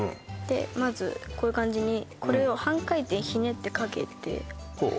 まずこういう感じにこれを半回転ひねってかけてこう？